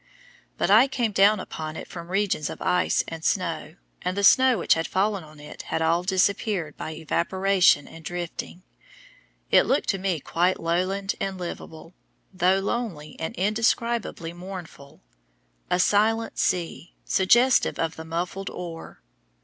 But I came down upon it from regions of ice and snow; and as the snow which had fallen on it had all disappeared by evaporation and drifting, it looked to me quite lowland and livable, though lonely and indescribably mournful, "a silent sea," suggestive of "the muffled oar."